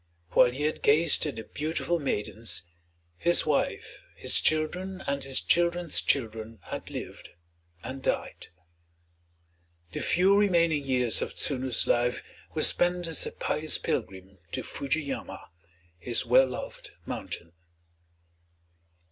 While he had gazed at the beautiful maidens, his wife, his children, and his children's children had lived and died. The few remaining years of Tsunu's life were spent as a pious pilgrim to Fuji yama, his well loved mountain.